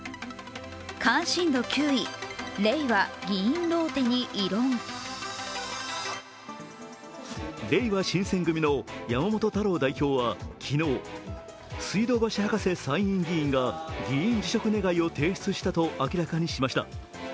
れいわ新選組の山本太郎代表は昨日、水道橋博士参院議員が議員辞職願を提出したと明らかにしました。